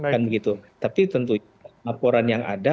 kan begitu tapi tentunya laporan yang ada